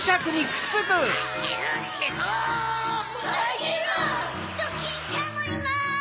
ドキンちゃんもいます！